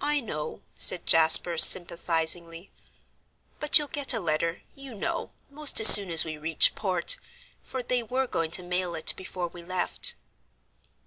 "I know," said Jasper, sympathisingly, "but you'll get a letter, you know, most as soon as we reach port, for they were going to mail it before we left."